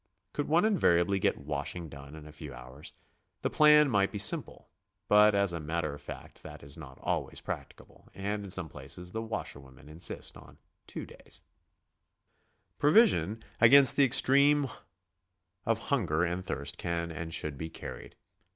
Could one invariably get washing done in a few hours, the plan might be simple, but as a matter of fact that is not always practicable, and in some places the washer women insist on two days, 120 GOING ABROAD? Provision against the extreme of 'hunger and tliirst can and should be carried.